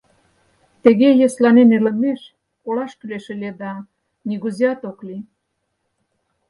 Тыге йӧсланен илымеш, колаш кӱлеш ыле да, нигузеат ок лий.